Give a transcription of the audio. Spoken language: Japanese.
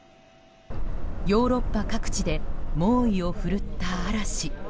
ヨーロッパ各地で猛威を振るった嵐。